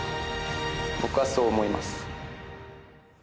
僕はそう思います。